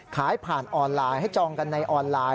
ขายผ่านออนไลน์ให้จองกันในออนไลน์